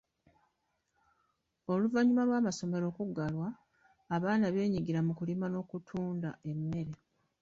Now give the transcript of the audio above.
Oluvannyuma lw'amasomero okuggalwa, abaana benyigira mu kulima n'okutunda emmere.